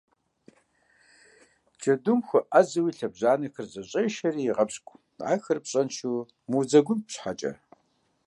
Джэдум хуэӏэзэу и лъэбжьанэхэр зэщӏешэри егъэпщкӏу, ахэр пщӏэншэу мыудзэгун щхьэкӏэ.